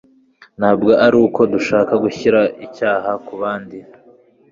ntabwo ari uko dushaka gushyira icyaha ku bandi